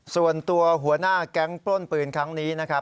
ส่วนตัวหัวหน้าแก๊งป้นปืนครั้งนี้นะครับ